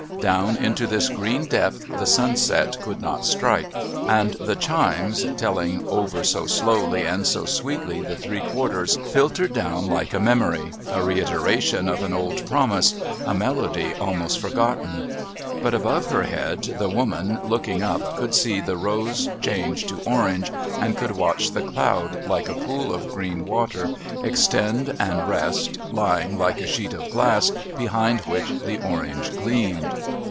Down into this green depth the sunset could not strike, and the chimes, telling over so slowly and so sweetly the three quarters, filtered down like a memory, a reiteration of an old promise, a melody almost forgotten. But above her head the woman, looking up, could see the rose change to orange and could watch the cloud, like a pool of green water, extend and rest, lying like a sheet of glass behind which the orange gleamed.